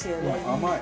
甘い。